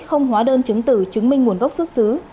không hóa đơn chứng tử chứng minh nguồn gốc xuất xứ